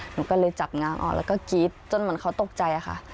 หนูก็เลยจับงาออกแล้วก็กรี๊ดจนเหมือนเขาตกใจค่ะ